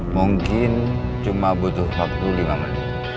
mungkin cuma butuh waktu lima menit